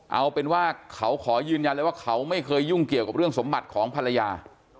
เอาเป็นว่าเขาขอยืนยันเลยว่าเขาไม่เคยยุ่งเกี่ยวกับเรื่องสมบัติของภรรยา